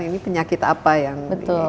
ini penyakit apa yang